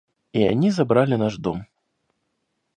И они забрали наш дом.